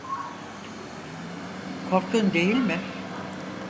Korktun, değil mi?